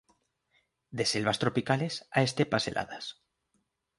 De selvas tropicales a estepas heladas.